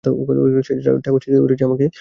সেজ ঠাকুরবি-কি করি যে এ ছেলে নিয়ে আমি!